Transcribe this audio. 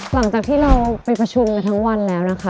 หลังจากที่เราไปประชุมกันทั้งวันแล้วนะคะ